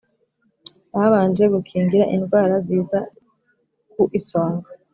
Babanje gukingira indwara ziza ku isonga